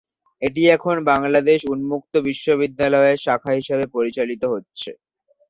এটি এখন বাংলাদেশ উন্মুক্ত বিশ্ববিদ্যালয়ের শাখা হিসেবে পরিচালিত হচ্ছে।